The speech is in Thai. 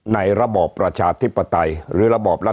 ในระบบประชาธิปไตยหรือระบบรัฐสภา